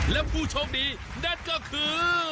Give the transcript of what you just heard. และผู้โชคดีนั่นก็คือ